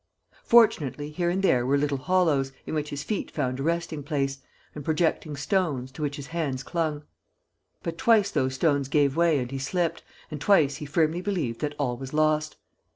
Fortunately, here and there were little hollows, in which his feet found a resting place, and projecting stones, to which his hands clung. But twice those stones gave way and he slipped; and twice he firmly believed that all was lost.